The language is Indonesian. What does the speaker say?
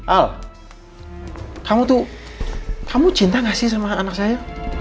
al kamu tuh kamu cinta gak sih sama anak saya